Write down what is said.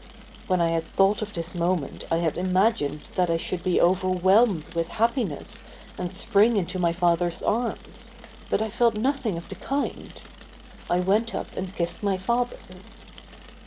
When I had thought of this moment I had imagined that I should be overwhelmed with happiness and spring into my father's arms, but I felt nothing of the kind. I went up and kissed my father.